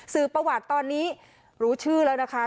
ประวัติตอนนี้รู้ชื่อแล้วนะคะ